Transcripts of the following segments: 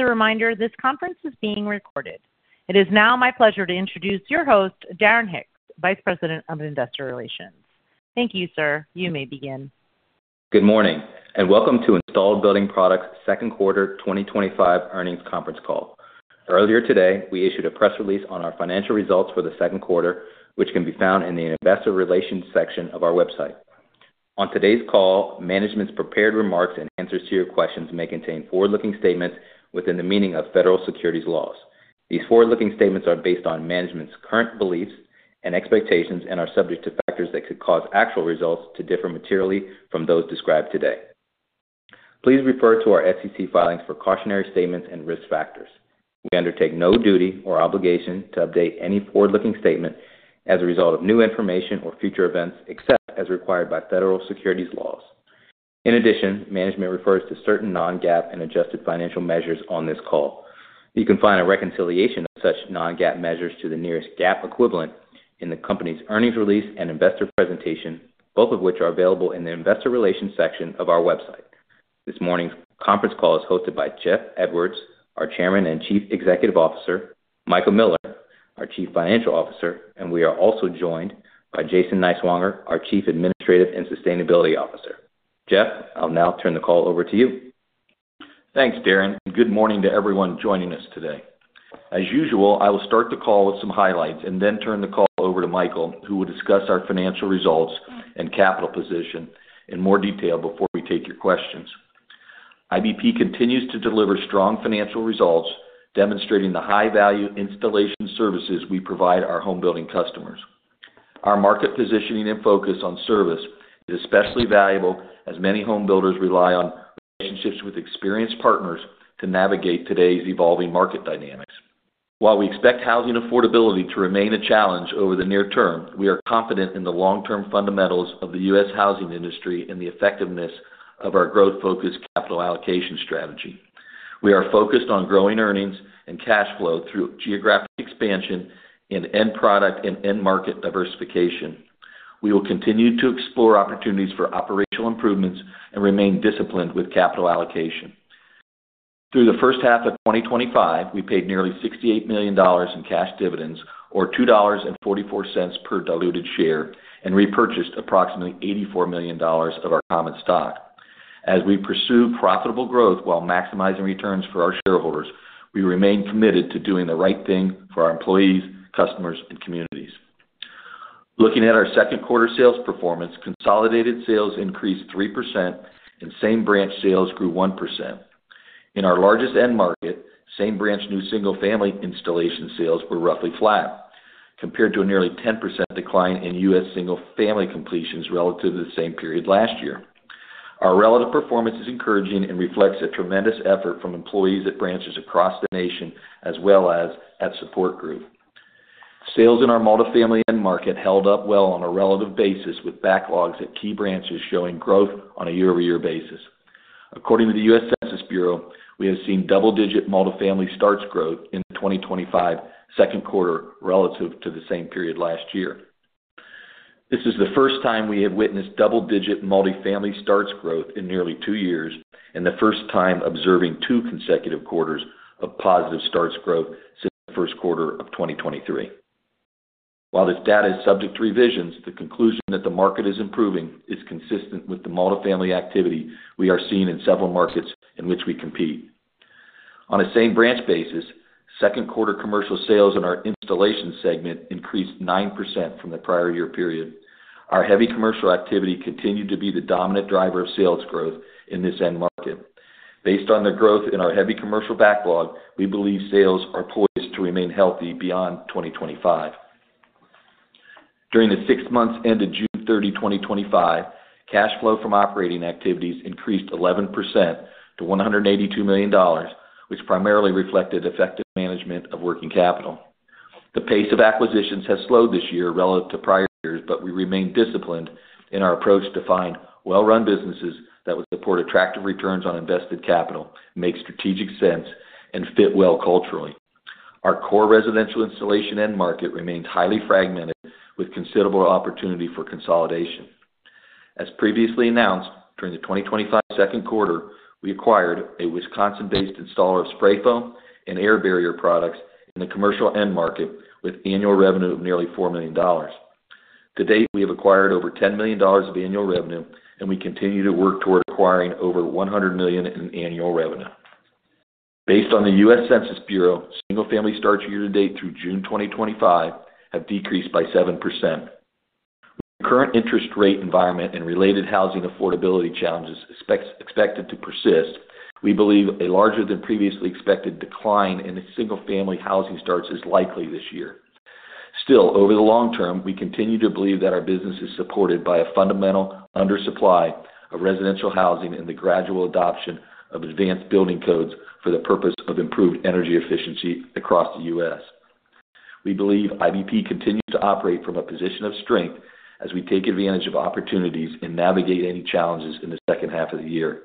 A reminder, this conference is being recorded. It is now my pleasure to introduce your host, Darren Hicks, Vice President of Investor Relations. Thank you, sir. You may begin. Good morning and welcome to Installed Building Products' Second Quarter 2025 Earnings Conference Call. Earlier today, we issued a press release on our financial results for the second quarter, which can be found in the Investor Relations section of our website. On today's call, management's prepared remarks and answers to your questions may contain forward-looking statements within the meaning of federal securities laws. These forward-looking statements are based on management's current beliefs and expectations and are subject to factors that could cause actual results to differ materially from those described today. Please refer to our SEC filings for cautionary statements and risk factors. We undertake no duty or obligation to update any forward-looking statement as a result of new information or future events, except as required by federal securities laws. In addition, management refers to certain non-GAAP and adjusted financial measures on this call. You can find a reconciliation of such non-GAAP measures to the nearest GAAP equivalent in the company's Earnings Release and Investor Presentation, both of which are available in the Investor Relations section of our website. This morning's conference call is hosted by Jeff Edwards, our Chairman and Chief Executive Officer, Michael Miller, our Chief Financial Officer, and we are also joined by Jason Niswonger, our Chief Administrative and Sustainability Officer. Jeff, I'll now turn the call over to you. Thanks, Darren. Good morning to everyone joining us today. As usual, I will start the call with some highlights and then turn the call over to Michael, who will discuss our financial results and capital position in more detail before we take your questions. IBP continues to deliver strong financial results, demonstrating the high-value installation services we provide our home building customers. Our market positioning and focus on service is especially valuable as many home builders rely on relationships with experienced partners to navigate today's evolving market dynamics. While we expect housing affordability to remain a challenge over the near term, we are confident in the long-term fundamentals of the U.S. housing industry and the effectiveness of our growth-focused capital allocation strategy. We are focused on growing earnings and cash flow through geographic expansion and end product and end market diversification. We will continue to explore opportunities for operational improvements and remain disciplined with capital allocation. Through the first half of 2025, we paid nearly $68 million in cash dividends, or $2.44 per diluted share, and repurchased approximately $84 million of our common stock. As we pursue profitable growth while maximizing returns for our shareholders, we remain committed to doing the right thing for our employees, customers, and communities. Looking at our second quarter sales performance, consolidated sales increased 3% and same-branch sales grew 1%. In our largest end market, same-branch new single-family installation sales were roughly flat, compared to a nearly 10% decline in U.S. single-family completions relative to the same period last year. Our relative performance is encouraging and reflects a tremendous effort from employees at branches across the nation, as well as at support group. Sales in our multifamily end market held up well on a relative basis, with backlogs at key branches showing growth on a year-over-year basis. According to the U.S. Census Bureau, we have seen double-digit multifamily starts growth in the 2025 second quarter relative to the same period last year. This is the first time we have witnessed double-digit multifamily starts growth in nearly two years, and the first time observing two consecutive quarters of positive starts growth since the first quarter of 2023. While this data is subject to revisions, the conclusion that the market is improving is consistent with the multifamily activity we are seeing in several markets in which we compete. On a same-branch basis, second quarter commercial sales in our installation segment increased 9% from the prior year period. Our heavy commercial activity continued to be the dominant driver of sales growth in this end market. Based on the growth in our heavy commercial backlog, we believe sales are poised to remain healthy beyond 2025. During the six months ended June 30, 2025, cash flow from operating activities increased 11% to $182 million, which primarily reflected effective management of working capital. The pace of acquisitions has slowed this year relative to prior years, but we remain disciplined in our approach to find well-run businesses that would support attractive returns on invested capital, make strategic sense, and fit well culturally. Our core residential installation end market remains highly fragmented, with considerable opportunity for consolidation. As previously announced, during the 2025 second quarter, we acquired a Wisconsin-based installer of spray foam insulation and air barrier products in the commercial end market, with annual revenue of nearly $4 million. To date, we have acquired over $10 million of annual revenue, and we continue to work toward acquiring over $100 million in annual revenue. Based on the U.S. Census Bureau, single-family starts year-to-date through June 2025 have decreased by 7%. Current interest rate environment and related housing affordability challenges are expected to persist. We believe a larger than previously expected decline in single-family housing starts is likely this year. Still, over the long term, we continue to believe that our business is supported by a fundamental undersupply of residential housing and the gradual adoption of advanced building codes for the purpose of improved energy efficiency across the U.S. We believe IBP continues to operate from a position of strength as we take advantage of opportunities and navigate any challenges in the second half of the year.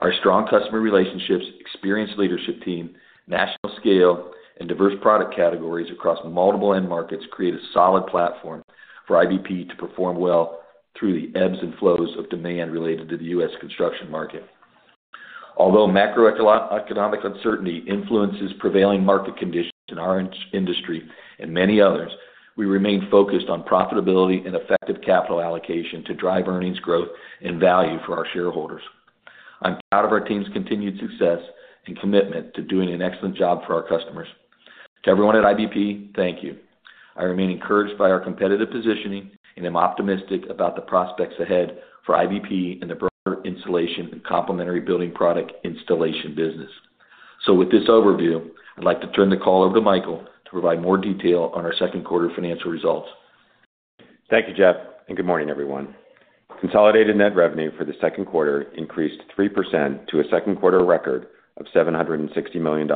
Our strong customer relationships, experienced leadership team, national scale, and diverse product categories across multiple end markets create a solid platform for IBP to perform well through the ebbs and flows of demand related to the U.S. construction market. Although macroeconomic uncertainty influences prevailing market conditions in our industry and many others, we remain focused on profitability and effective capital allocation to drive earnings growth and value for our shareholders. I'm proud of our team's continued success and commitment to doing an excellent job for our customers. To everyone at IBP, thank you. I remain encouraged by our competitive positioning and am optimistic about the prospects ahead for IBP and the broader installation and complementary building product installation business. With this overview, I'd like to turn the call over to Michael to provide more detail on our second quarter financial results. Thank you, Jeff, and good morning, everyone. Consolidated net revenue for the second quarter increased 3% to a second quarter record of $760 million,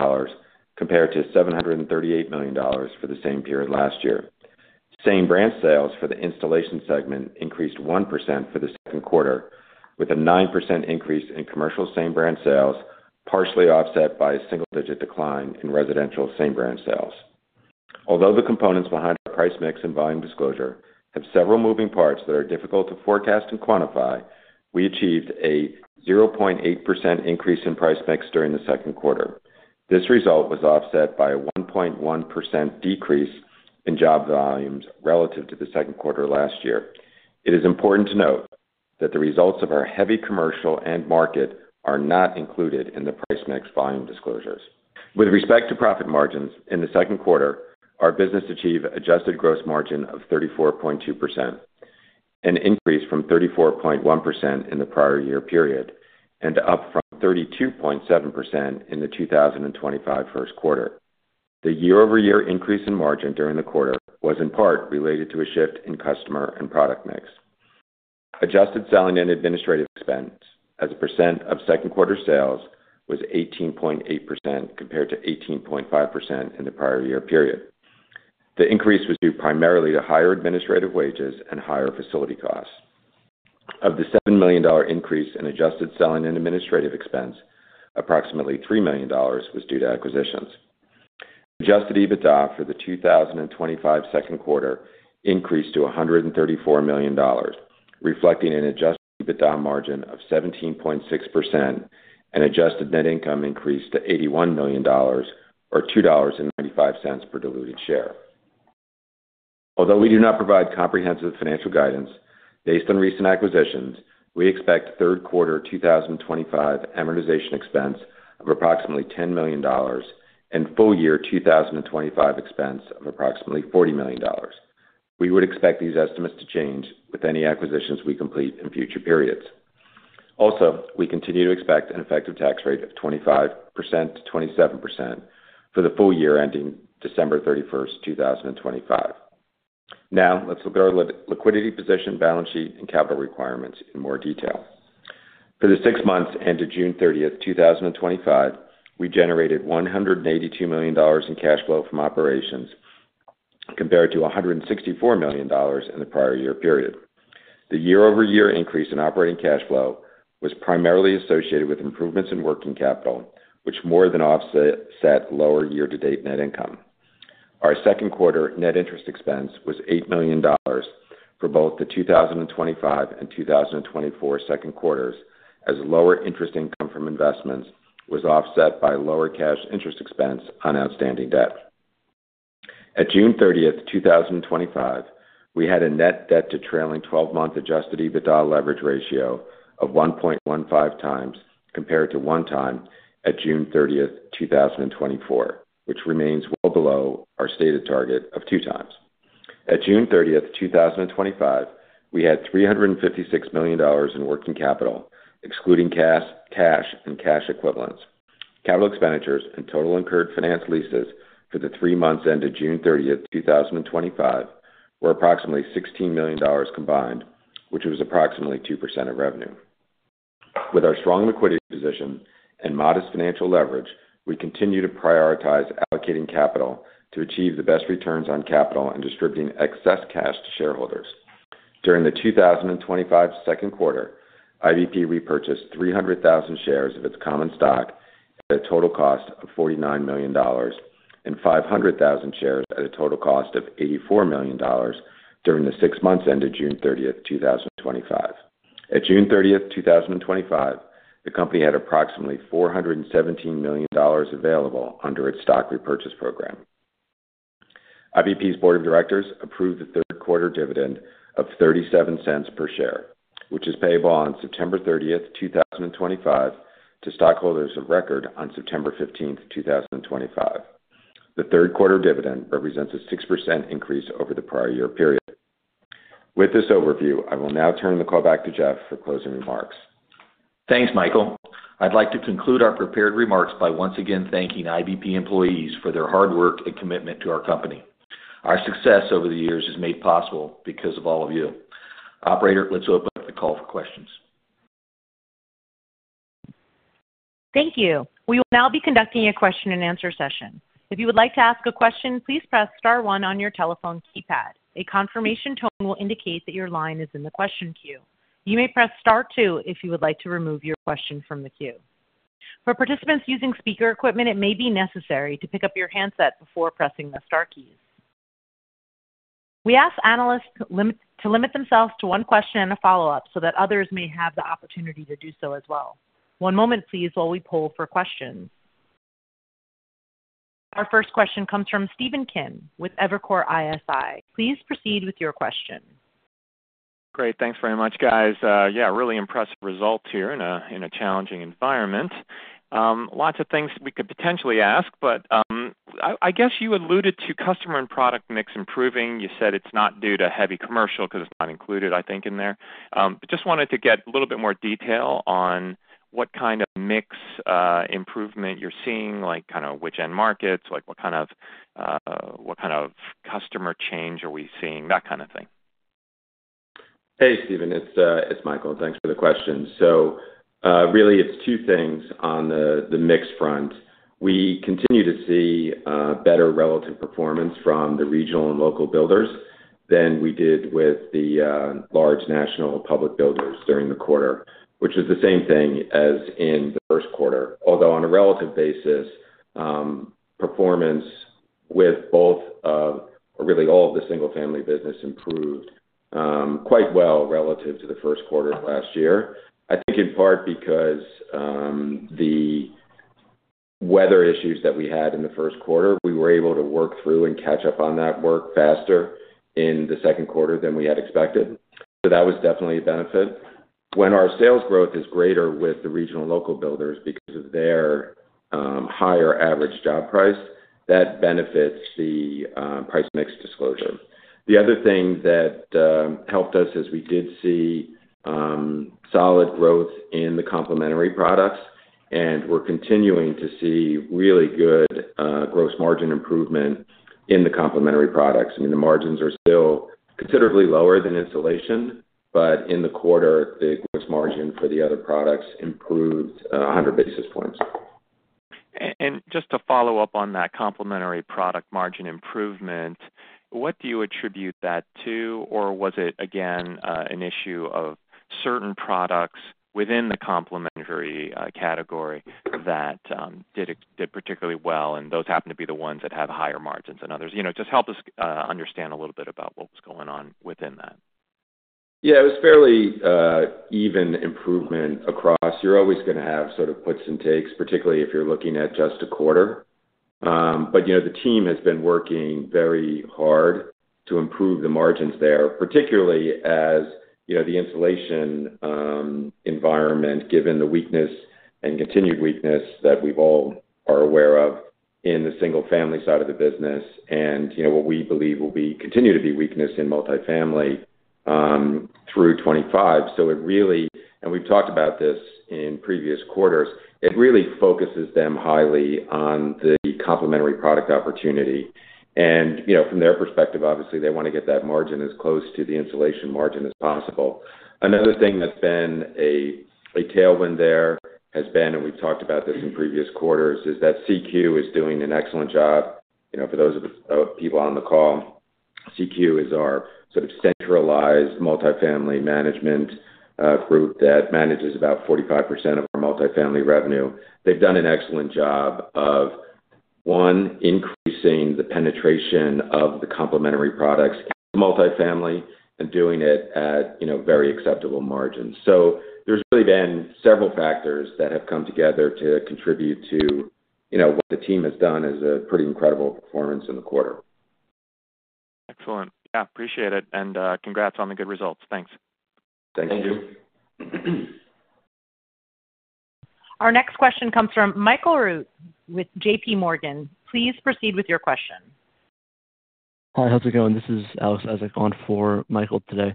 compared to $738 million for the same period last year. Same-branch sales for the installation segment increased 1% for the second quarter, with a 9% increase in commercial same-branch sales, partially offset by a single-digit decline in residential same-branch sales. Although the components behind the price mix and volume disclosure have several moving parts that are difficult to forecast and quantify, we achieved a 0.8% increase in price mix during the second quarter. This result was offset by a 1.1% decrease in job volumes relative to the second quarter last year. It is important to note that the results of our heavy commercial end market are not included in the price mix volume disclosures. With respect to profit margins, in the second quarter, our business achieved an adjusted gross margin of 34.2%, an increase from 34.1% in the prior year period, and up from 32.7% in the 2025 first quarter. The year-over-year increase in margin during the quarter was in part related to a shift in customer and product mix. Adjusted selling and administrative expense, as a percent of second quarter sales, was 18.8% compared to 18.5% in the prior year period. The increase was due primarily to higher administrative wages and higher facility costs. Of the $7 million increase in adjusted selling and administrative expense, approximately $3 million was due to acquisitions. Adjusted EBITDA for the 2025 second quarter increased to $134 million, reflecting an adjusted EBITDA margin of 17.6% and adjusted net income increased to $81 million, or $2.95 per diluted share. Although we do not provide comprehensive financial guidance, based on recent acquisitions, we expect third quarter 2025 amortization expense of approximately $10 million and full year 2025 expense of approximately $40 million. We would expect these estimates to change with any acquisitions we complete in future periods. Also, we continue to expect an effective tax rate of 25%-27% for the full year ending December 31, 2025. Now, let's look at our liquidity position, balance sheet, and capital requirements in more detail. For the six months ended June 30, 2025, we generated $182 million in cash flow from operations, compared to $164 million in the prior year period. The year-over-year increase in operating cash flow was primarily associated with improvements in working capital, which more than offset lower year-to-date net income. Our second quarter net interest expense was $8 million for both the 2025 and 2024 second quarters, as lower interest income from investments was offset by lower cash interest expense on outstanding debt. At June 30, 2025, we had a net debt to trailing 12-month adjusted EBITDA leverage ratio of 1.15x, compared to 1x at June 30, 2024, which remains well below our stated target of 2x. At June 30, 2025, we had $356 million in working capital, excluding cash and cash equivalents. Capital expenditures and total incurred financed leases for the three months ended June 30, 2025, were approximately $16 million combined, which was approximately 2% of revenue. With our strong liquidity position and modest financial leverage, we continue to prioritize allocating capital to achieve the best returns on capital and distributing excess cash to shareholders. During the 2025 second quarter, IBP repurchased 300,000 shares of its common stock at a total cost of $49 million and 500,000 shares at a total cost of $84 million during the six months ended June 30, 2025. At June 30, 2025, the company had approximately $417 million available under its stock repurchase program. IBP's Board of Directors approved the third quarter dividend of $0.37 per share, which is payable on September 30, 2025, to stockholders of record on September 15, 2025. The third quarter dividend represents a 6% increase over the prior year period. With this overview, I will now turn the call back to Jeff for closing remarks. Thanks, Michael. I'd like to conclude our prepared remarks by once again thanking IBP employees for their hard work and commitment to our company. Our success over the years is made possible because of all of you. Operator, let's open up the call for questions. Thank you. We will now be conducting a question-and-answer session. If you would like to ask a question, please press star one on your telephone keypad. A confirmation tone will indicate that your line is in the question queue. You may press star two if you would like to remove your question from the queue. For participants using speaker equipment, it may be necessary to pick up your handset before pressing the star keys. We ask analysts to limit themselves to one question and a follow-up so that others may have the opportunity to do so as well. One moment, please, while we poll for questions. Our first question comes from Stephen Kim with Evercore ISI. Please proceed with your question. Great, thanks very much, guys. Really impressive results here in a challenging environment. Lots of things we could potentially ask, but I guess you alluded to customer and product mix improving. You said it's not due to heavy commercial because it's not included, I think, in there. I just wanted to get a little bit more detail on what kind of mix improvement you're seeing, like which end markets, what kind of customer change are we seeing, that kind of thing. Hey, Stephen, it's Michael. Thanks for the question. It's two things on the mix front. We continue to see better relative performance from the regional and local builders than we did with the large national public builders during the quarter, which is the same thing as in the first quarter, although on a relative basis, performance with both of, or really all of the single-family business improved quite well relative to the first quarter of last year. I think in part because the weather issues that we had in the first quarter, we were able to work through and catch up on that work faster in the second quarter than we had expected. That was definitely a benefit. When our sales growth is greater with the regional and local builders because of their higher average job price, that benefits the price mix disclosure. The other thing that helped us is we did see solid growth in the complementary products and we're continuing to see really good gross margin improvement in the complementary products. The margins are still considerably lower than insulation installation, but in the quarter, the gross margin for the other products improved 100 basis points. To follow up on that complementary products margin improvement, what do you attribute that to? Was it an issue of certain products within the complementary products category that did particularly well, and those happen to be the ones that had higher margins than others? Help us understand a little bit about what was going on within that. Yeah, it was fairly even improvement across. You're always going to have sort of puts and takes, particularly if you're looking at just a quarter. The team has been working very hard to improve the margins there, particularly as the installation environment, given the weakness and continued weakness that we all are aware of in the single-family side of the business, and what we believe will continue to be weakness in multifamily through 2025. It really, and we've talked about this in previous quarters, focuses them highly on the complementary products opportunity. From their perspective, obviously, they want to get that margin as close to the installation margin as possible. Another thing that's been a tailwind there, and we've talked about this in previous quarters, is that CQ is doing an excellent job. For those of the people on the call, CQ is our sort of centralized multifamily management group that manages about 45% of our multifamily revenue. They've done an excellent job of, one, increasing the penetration of the complementary products to multifamily and doing it at very acceptable margins. There have really been several factors that have come together to contribute to what the team has done as a pretty incredible performance in the quarter. Excellent. Yeah, appreciate it. Congrats on the good results. Thanks. Thank you. Our next question comes from Michael with JPMorgan. Please proceed with your question. Hi, how's it going? This is Alex Isaac on for Michael today.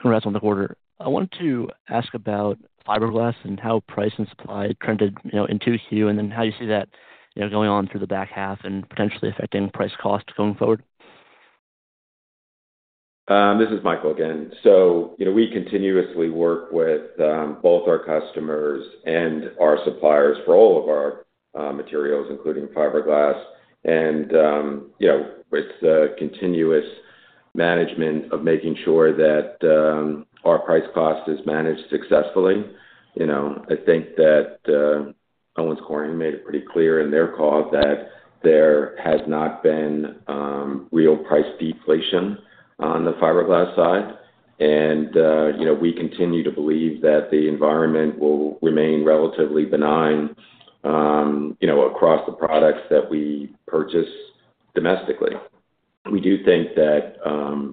Congrats on the quarter. I wanted to ask about fiberglass insulation and how price and supply trended in Q2, and then how do you see that going on through the back half and potentially affecting price cost going forward? This is Michael again. We continuously work with both our customers and our suppliers for all of our materials, including fiberglass. It's a continuous management of making sure that our price cost is managed successfully. I think that Owens Corning made it pretty clear in their call that there has not been real price deflation on the fiberglass side. We continue to believe that the environment will remain relatively benign across the products that we purchase domestically. We do think that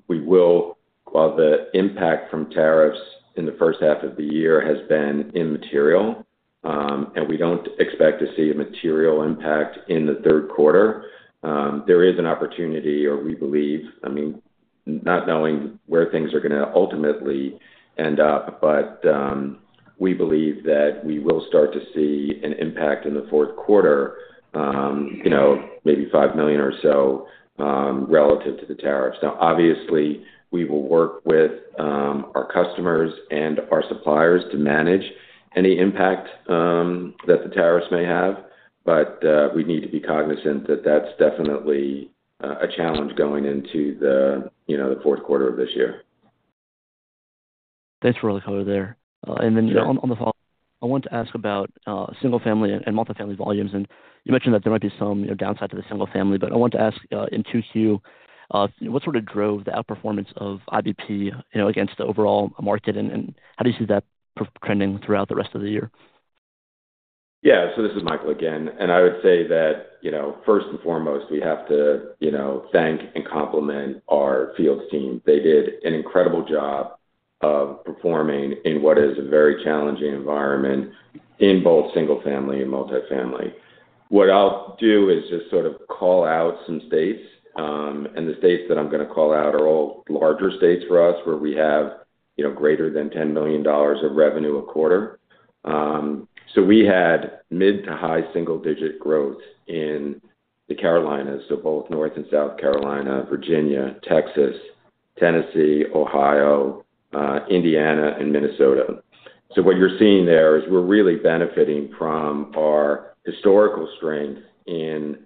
we will, while the impact from tariffs in the first half of the year has been immaterial, and we don't expect to see a material impact in the third quarter, there is an opportunity, or we believe, not knowing where things are going to ultimately end up, but we believe that we will start to see an impact in the fourth quarter, maybe $5 million or so relative to the tariffs. Obviously, we will work with our customers and our suppliers to manage any impact that the tariffs may have, but we need to be cognizant that that's definitely a challenge going into the fourth quarter of this year. Thanks for all the cover there. On the follow-up, I want to ask about single-family and multifamily volumes. You mentioned that there might be some downside to the single-family, but I want to ask in 2Q, what sort of drove the outperformance of IBP against the overall market, and how do you see that trending throughout the rest of the year? Yeah, this is Michael again. I would say that, first and foremost, we have to thank and compliment our field team. They did an incredible job of performing in what is a very challenging environment in both single-family and multifamily. What I'll do is just sort of call out some states. The states that I'm going to call out are all larger states for us where we have greater than $10 million of revenue a quarter. We had mid to high single-digit growth in the Carolinas, both North and South Carolina, Virginia, Texas, Tennessee, Ohio, Indiana, and Minnesota. What you're seeing there is we're really benefiting from our historical strength in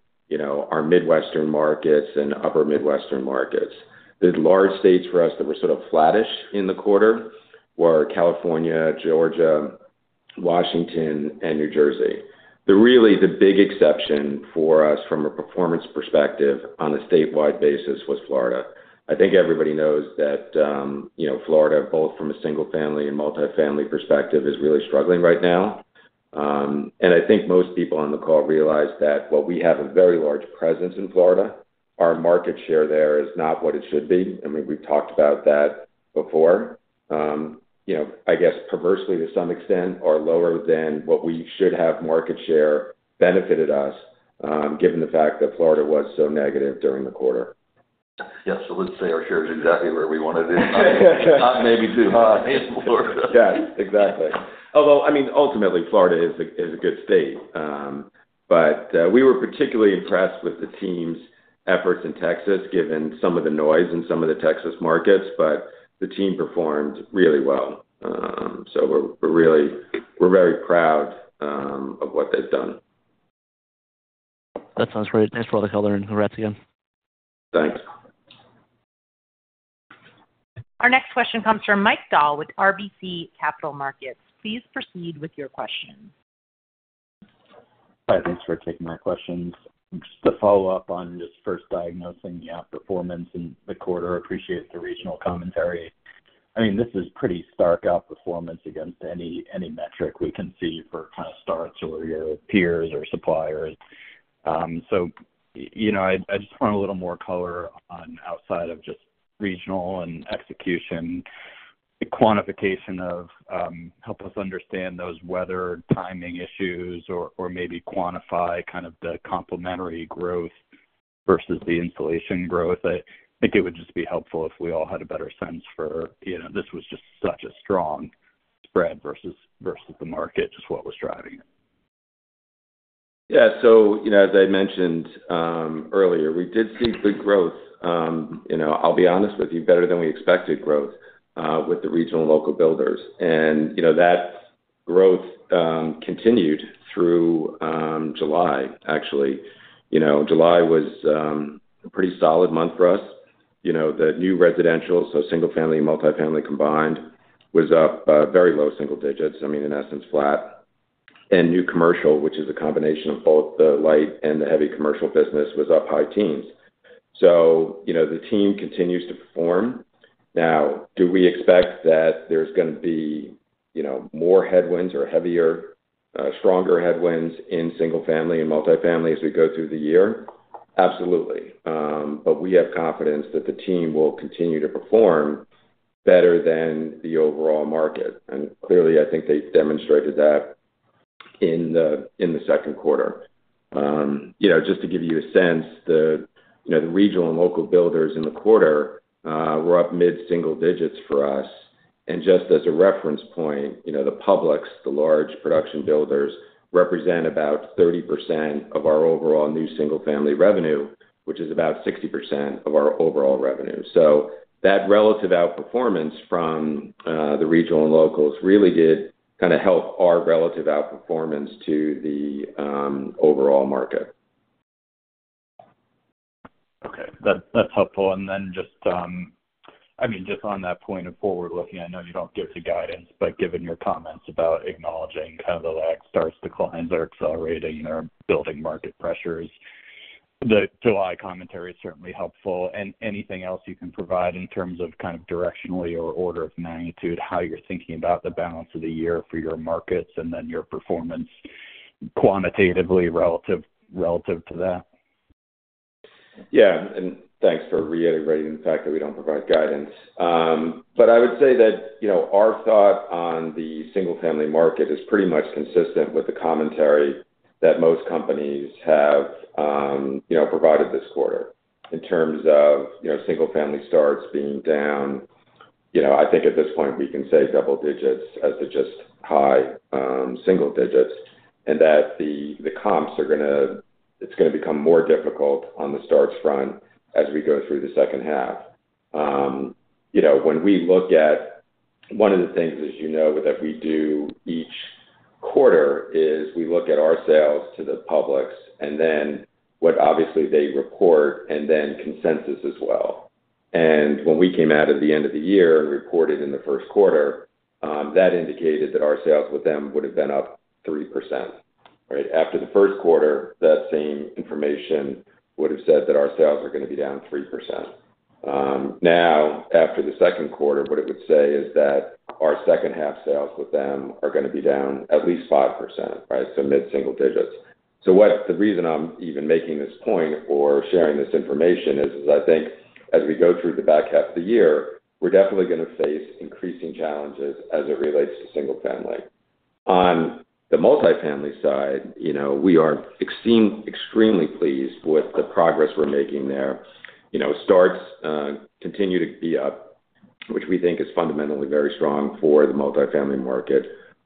our Midwestern markets and upper Midwestern markets. The large states for us that were sort of flattish in the quarter were California, Georgia, Washington, and New Jersey. The really big exception for us from a performance perspective on a statewide basis was Florida. I think everybody knows that Florida, both from a single-family and multifamily perspective, is really struggling right now. I think most people on the call realize that while we have a very large presence in Florida, our market share there is not what it should be. We've talked about that before. I guess perversely to some extent, our lower than what we should have market share benefited us, given the fact that Florida was so negative during the quarter. Yeah, let's say our share is exactly where we wanted it. Maybe too hot in Florida. Yeah, exactly. Although, I mean, ultimately, Florida is a good state. We were particularly impressed with the team's efforts in Texas, given some of the noise in some of the Texas markets, but the team performed really well. We are very proud of what they've done. That sounds great. Thanks for all the color and congrats again. Thanks. Our next question comes from Micke Dahl with RBC Capital Markets. Please proceed with your question. Hi, thanks for taking my questions. Just to follow up on just first diagnosing performance in the quarter. Appreciate the regional commentary. I mean, this is pretty stark outperformance against any metric we can see for kind of starts or your peers or suppliers. I just want a little more color on outside of just regional and execution. The quantification of help us understand those weather timing issues or maybe quantify kind of the complementary growth versus the installation growth. I think it would just be helpful if we all had a better sense for, you know, this was just such a strong spread versus the market, just what was driving it. Yeah, as I mentioned earlier, we did see good growth. I'll be honest with you, better than we expected growth with the regional and local builders. That growth continued through July, actually. July was a pretty solid month for us. The new residential, so single-family and multifamily combined, was up very low single digits. In essence, flat. New commercial, which is a combination of both the light and the heavy commercial business, was up high teens. The team continues to perform. Do we expect that there's going to be more headwinds or heavier, stronger headwinds in single-family and multifamily as we go through the year? Absolutely. We have confidence that the team will continue to perform better than the overall market. Clearly, I think they demonstrated that in the second quarter. Just to give you a sense, the regional and local builders in the quarter were up mid-single digits for us. Just as a reference point, the publics, the large production builders, represent about 30% of our overall new single-family revenue, which is about 60% of our overall revenue. That relative outperformance from the regional and locals really did kind of help our relative outperformance to the overall market. Okay, that's helpful. Just on that point of forward looking, I know you don't give the guidance, but given your comments about acknowledging kind of the lag, starts declines are accelerating or building market pressures, the July commentary is certainly helpful. Is there anything else you can provide in terms of, directionally or order of magnitude, how you're thinking about the balance of the year for your markets and then your performance quantitatively relative to that? Yeah, thanks for reiterating the fact that we don't provide guidance. I would say that our thought on the single-family market is pretty much consistent with the commentary that most companies have provided this quarter. In terms of single-family starts being down, I think at this point we can say double digits as to just high single digits. The comps are going to become more difficult on the starts front as we go through the second half. When we look at one of the things that we do each quarter, we look at our sales to the Publix and then what they report and then consensus as well. When we came out at the end of the year and reported in the first quarter, that indicated that our sales with them would have been up 3%. Right after the first quarter, that same information would have said that our sales are going to be down 3%. Now, after the second quarter, what it would say is that our second half sales with them are going to be down at least 5%, so mid-single digits. The reason I'm even making this point or sharing this information is, as we go through the back half of the year, we're definitely going to face increasing challenges as it relates to single-family. On the multifamily side, we are extremely pleased with the progress we're making there. Starts continue to be up, which we think is fundamentally very strong for the multifamily market.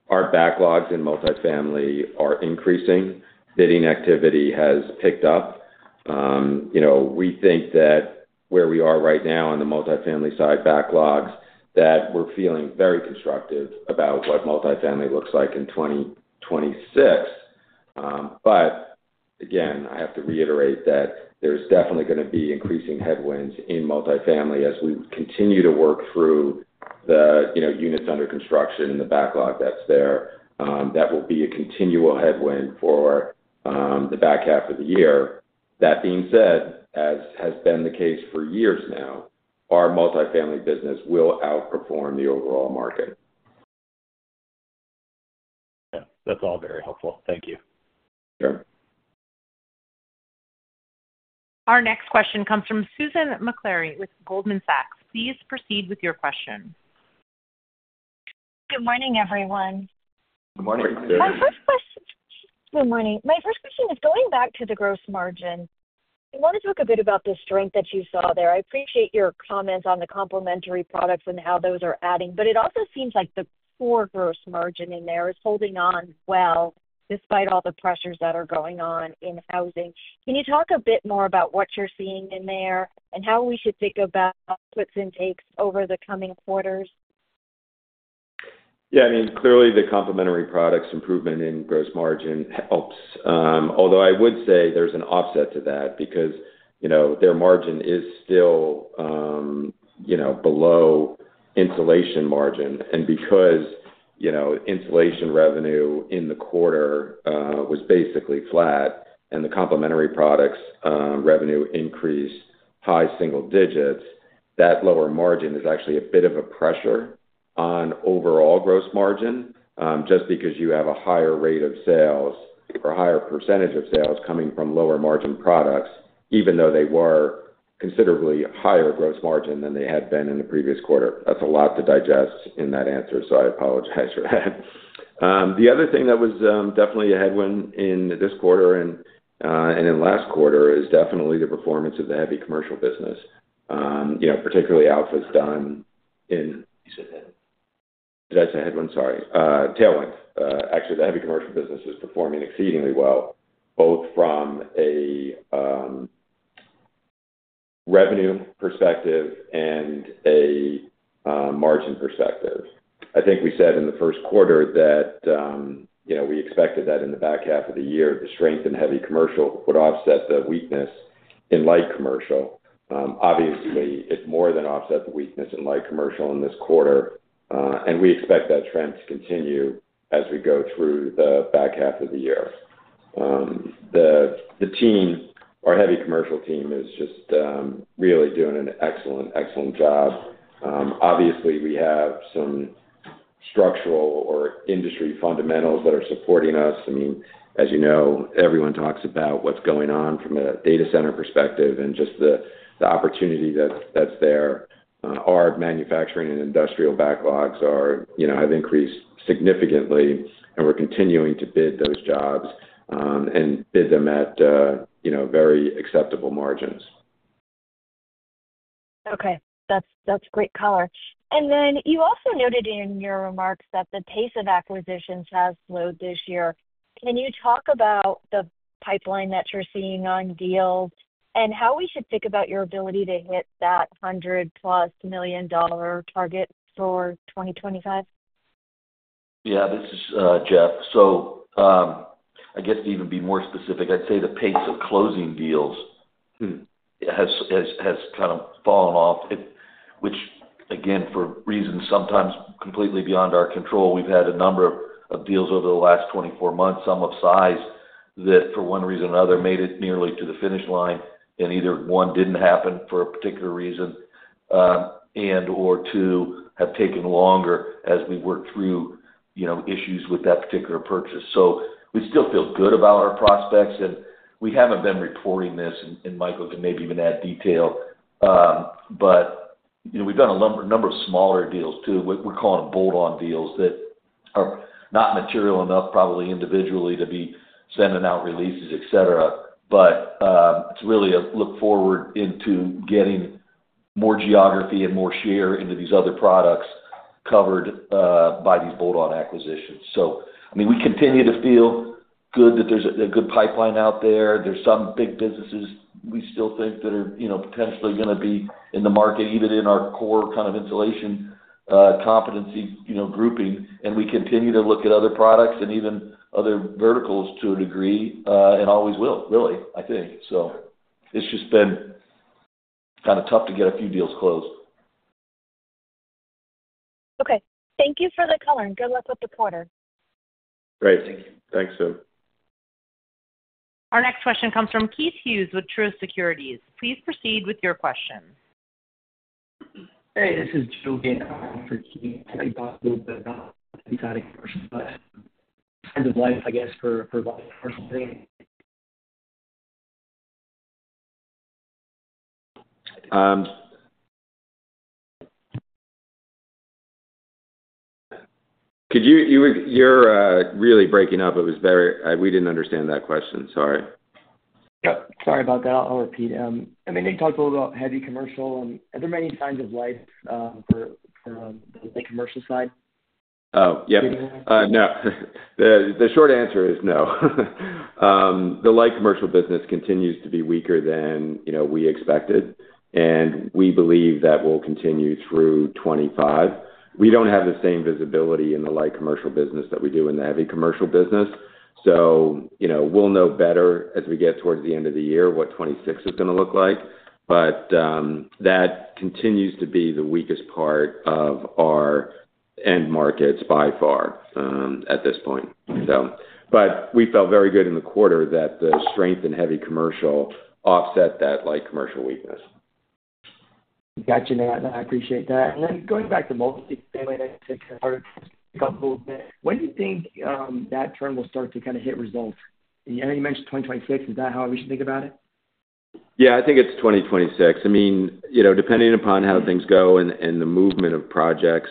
Our backlogs in multifamily are increasing. Bidding activity has picked up. We think that where we are right now on the multifamily side backlogs, we're feeling very constructive about what multifamily looks like in 2026. I have to reiterate that there's definitely going to be increasing headwinds in multifamily as we continue to work through the units under construction and the backlog that's there. That will be a continual headwind for the back half of the year. That being said, as has been the case for years now, our multifamily business will outperform the overall market. Yeah, that's all very helpful. Thank you. Our next question comes from Susan Maklari with Goldman Sachs. Please proceed with your question. Good morning, everyone. Good morning. My first question is going back to the gross margin. I want to talk a bit about the strength that you saw there. I appreciate your comments on the complementary building products and how those are adding, but it also seems like the core gross margin in there is holding on well despite all the pressures that are going on in housing. Can you talk a bit more about what you're seeing in there and how we should think about outputs and take over the coming quarters? Yeah, I mean, clearly the complementary building products improvement in gross margin helps. Although I would say there's an offset to that because their margin is still below insulation margin. Because insulation revenue in the quarter was basically flat and the complementary building products revenue increased high single digits, that lower margin is actually a bit of a pressure on overall gross margin just because you have a higher rate of sales or a higher percentage of sales coming from lower margin products, even though they were considerably higher gross margin than they had been in the previous quarter. That's a lot to digest in that answer, so I apologize for that. The other thing that was definitely a headwind in this quarter and in last quarter is definitely the performance of the heavy commercial business. Particularly, Alpha's done in, you said that, did I say headwind? Sorry. Tailwind. Actually, the heavy commercial business is performing exceedingly well, both from a revenue perspective and a margin perspective. I think we said in the first quarter that we expected that in the back half of the year, the strength in heavy commercial would offset the weakness in light commercial. Obviously, it more than offset the weakness in light commercial in this quarter. We expect that trend to continue as we go through the back half of the year. The team, our heavy commercial team, is just really doing an excellent, excellent job. Obviously, we have some structural or industry fundamentals that are supporting us. As you know, everyone talks about what's going on from a data center perspective and just the opportunity that's there. Our manufacturing and industrial backlogs have increased significantly, and we're continuing to bid those jobs and bid them at very acceptable margins. Okay, that's great color. You also noted in your remarks that the pace of acquisitions has slowed this year. Can you talk about the pipeline that you're seeing on deals and how we should think about your ability to hit that $100 million+ target for 2025? Yeah, this is Jeff. To even be more specific, I'd say the pace of closing deals has kind of fallen off, which, again, for reasons sometimes completely beyond our control. We've had a number of deals over the last 24 months, some of size, that for one reason or another made it nearly to the finish line, and either one didn't happen for a particular reason, or two have taken longer as we work through issues with that particular purchase. We still feel good about our prospects, and we haven't been reporting this, and Michael can maybe even add detail. We've done a number of smaller deals too. We're calling them bolt-on deals that are not material enough, probably individually to be sending out releases, etc. It's really a look forward into getting more geography and more share into these other products covered by these bolt-on acquisitions. We continue to feel good that there's a good pipeline out there. There are some big businesses we still think that are potentially going to be in the market, even in our core kind of insulation competency grouping. We continue to look at other products and even other verticals to a degree, and always will, really, I think. It's just been kind of tough to get a few deals closed. Okay. Thank you for the color, and good luck with the quarter. Great. Thank you. Thanks, Tim. Our next question comes from Keith Hughes with Truist Securities. Please proceed with your question. Hey, this is Joe Gate. I'll switch to you. I talked a little bit about the product versus the end of life, I guess, for long-term things. Could you, you were really breaking up. It was very, we didn't understand that question. Sorry. Sorry about that. I'll repeat. I mean, they talked a little about heavy commercial. Are there many signs of life for the commercial side? No, the short answer is no. The light commercial business continues to be weaker than we expected, and we believe that will continue through 2025. We do not have the same visibility in the light commercial business that we do in the heavy commercial business. We will know better as we get towards the end of the year what 2026 is going to look like. That continues to be the weakest part of our end markets by far at this point, but we felt very good in the quarter that the strength in heavy commercial offset that light commercial weakness. Gotcha, Nat, I appreciate that. Going back to multifamily, I think I already talked a little bit. When do you think that trend will start to kind of hit results? I know you mentioned 2026. Is that how we should think about it? Yeah, I think it's 2026. I mean, depending upon how things go and the movement of projects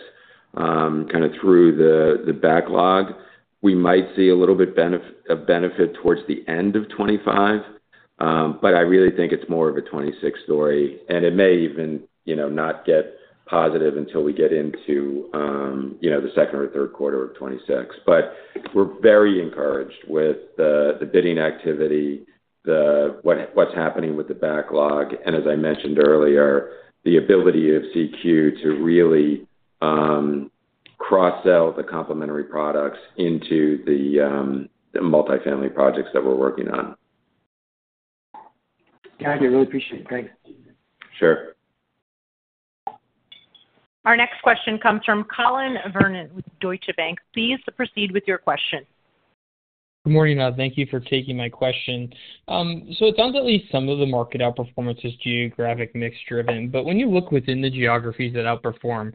through the backlog, we might see a little bit of benefit towards the end of 2025. I really think it's more of a 2026 story. It may even not get positive until we get into the second or third quarter of 2026. We're very encouraged with the bidding activity, what's happening with the backlog, and as I mentioned earlier, the ability of CQ to really cross-sell the complementary building products into the multifamily projects that we're working on. Gotcha. I really appreciate it. Thanks. Sure. Our next question comes from Collin Verron with Deutsche Bank. Please proceed with your question. Good morning, Nat. Thank you for taking my question. It sounds like at least some of the market outperformance is geographic mix-driven. When you look within the geographies that outperform,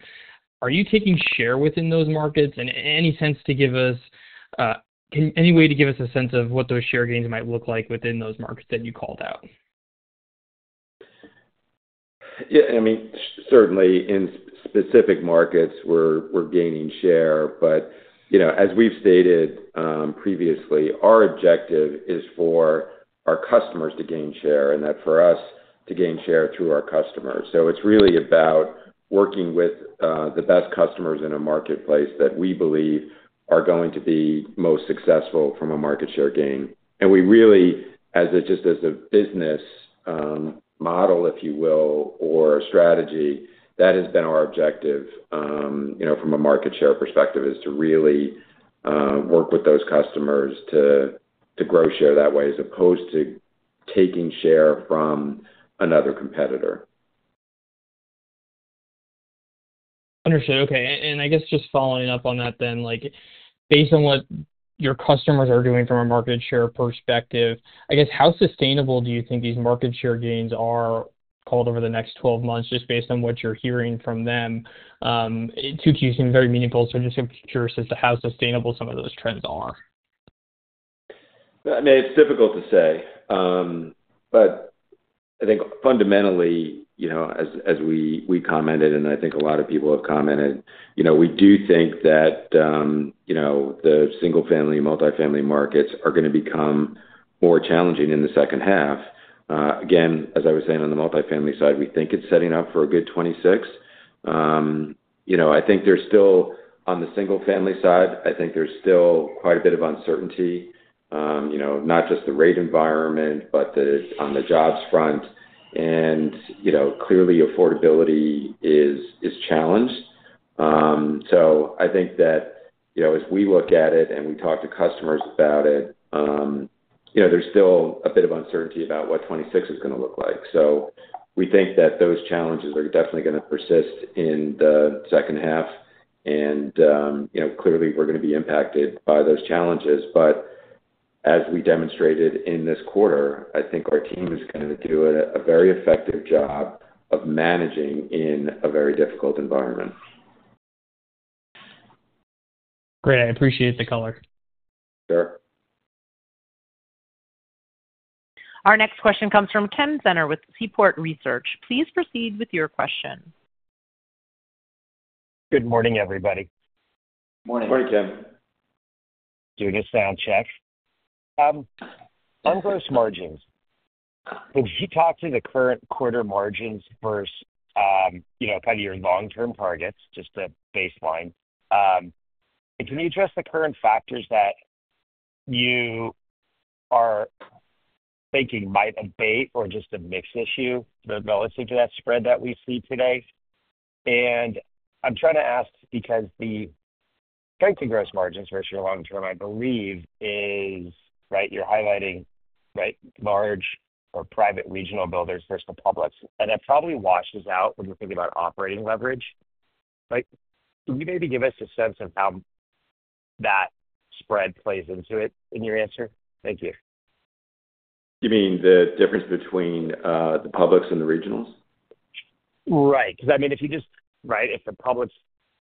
are you taking share within those markets? Any way to give us a sense of what those share gains might look like within those markets that you called out? Yeah, I mean, certainly in specific markets, we're gaining share. As we've stated previously, our objective is for our customers to gain share and for us to gain share through our customers. It's really about working with the best customers in a marketplace that we believe are going to be most successful from a market share gain. We really, just as a business model or strategy, that has been our objective from a market share perspective, is to really work with those customers to grow share that way as opposed to taking share from another competitor. Understood. Okay. I guess just following up on that then, based on what your customers are doing from a market share perspective, how sustainable do you think these market share gains are over the next 12 months, just based on what you're hearing from them? 2Q seems very meaningful. I'm just curious as to how sustainable some of those trends are. I mean, it's difficult to say. I think fundamentally, as we commented, and I think a lot of people have commented, we do think that the single-family, multifamily markets are going to become more challenging in the second half. As I was saying on the multifamily side, we think it's setting up for a good 2026. I think there's still, on the single-family side, quite a bit of uncertainty, not just the rate environment, but on the jobs front. Clearly, affordability is challenged. I think that as we look at it and we talk to customers about it, there's still a bit of uncertainty about what 2026 is going to look like. We think that those challenges are definitely going to persist in the second half. Clearly, we're going to be impacted by those challenges. As we demonstrated in this quarter, I think our team is going to do a very effective job of managing in a very difficult environment. Great, I appreciate the color. Sure. Our next question comes from Ken Zener with Seaport Research. Please proceed with your question. Good morning, everybody. Morning. Morning, Tim. Doing a sound check. On gross margins, can you talk to the current quarter margins versus your long-term targets, just a baseline? Can you address the current factors that you are thinking might abate or just a mix issue relative to that spread that we see today? I'm trying to ask because the strength in gross margins versus your long-term, I believe, is that you're highlighting, right, large or private regional builders versus the publics. That probably washes out when you're thinking about operating leverage. Can you maybe give us a sense of how that spread plays into it in your answer? Thank you. You mean the difference between the publics and the regionals? Right. Because if you just, right, if the publics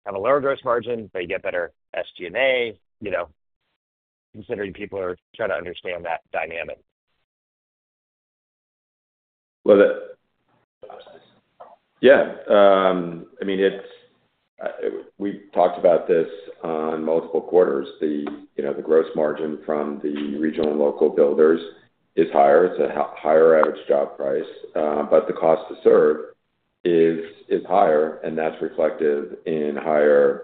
have a lower gross margin, but you get better SG&A, you know, considering people are trying to understand that dynamic. Yeah, I mean, we've talked about this on multiple quarters. The gross margin from the regional and local builders is higher. It's a higher average job price, but the cost to serve is higher, and that's reflected in higher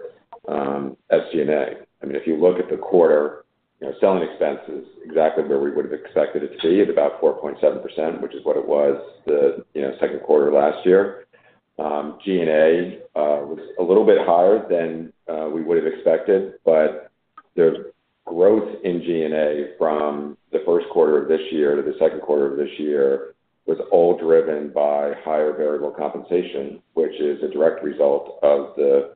SG&A. I mean, if you look at the quarter, selling expenses are exactly where we would have expected it to be at about 4.7%, which is what it was the second quarter last year. G&A was a little bit higher than we would have expected, but the growth in G&A from the first quarter of this year to the second quarter of this year was all driven by higher variable compensation, which is a direct result of the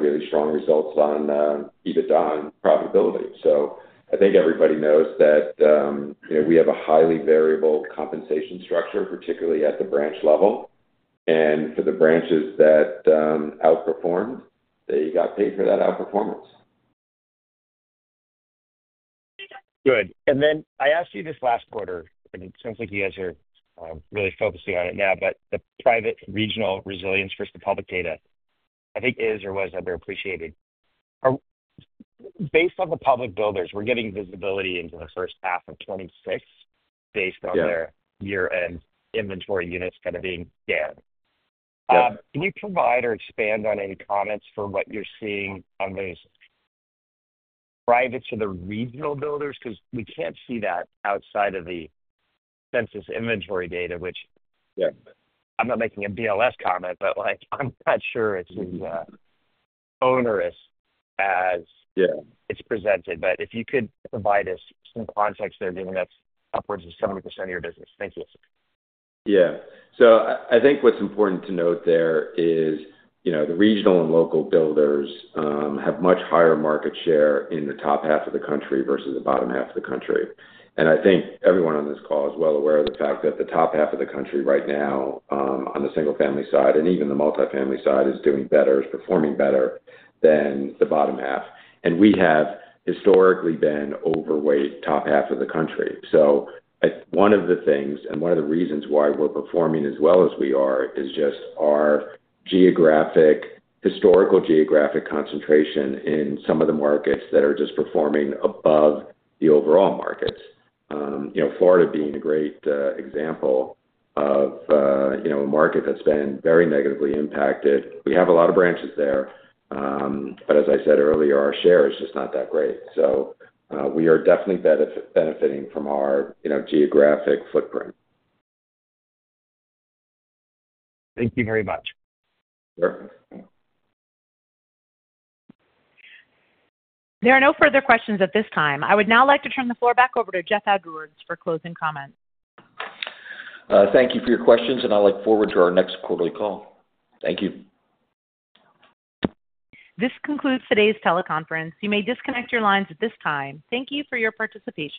really strong results on EBITDA and profitability. I think everybody knows that we have a highly variable compensation structure, particularly at the branch level, and for the branches that outperformed, they got paid for that outperformance. Good. I asked you this last quarter, and it sounds like you guys are really focusing on it now, but the private regional resilience versus the public data, I think is or was underappreciated. Based on the public builders, we're getting visibility into the first half of 2026 based on their year-end inventory units that are being scanned. Can you provide or expand on any comments for what you're seeing on those private to the regional builders? We can't see that outside of the census inventory data, which, yeah, I'm not making a BLS comment, but I'm not sure it's as onerous as it's presented. If you could provide us some context there, given that's upwards of 70% of your business. Thank you. Yeah. I think what's important to note there is the regional and local builders have much higher market share in the top half of the country versus the bottom half of the country. I think everyone on this call is well aware of the fact that the top half of the country right now on the single-family side and even the multifamily side is doing better, is performing better than the bottom half. We have historically been overweight top half of the country. One of the things and one of the reasons why we're performing as well as we are is just our historical geographic concentration in some of the markets that are performing above the overall markets. Florida is a great example of a market that's been very negatively impacted. We have a lot of branches there, but as I said earlier, our share is just not that great. We are definitely benefiting from our geographic footprint. Thank you very much. There are no further questions at this time. I would now like to turn the floor back over to Jeff Edwards for closing comments. Thank you for your questions, and I look forward to our next quarterly call. Thank you. This concludes today's teleconference. You may disconnect your lines at this time. Thank you for your participation.